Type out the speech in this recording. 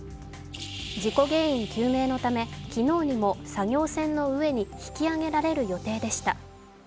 事故原因究明のため、昨日にも作業船の上に引き揚げられる予定でした。